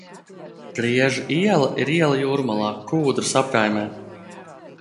Griežu iela ir iela Jūrmalā, Kūdras apkaimē.